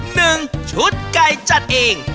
หนึ่งชุดไก่จัดเอง